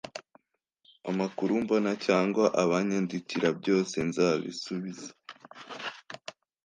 amakuru mbona cyangwa abanyandikira byose nzabisubiza